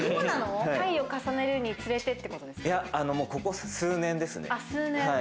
回を重ねるにつれてってことここ数年ですね。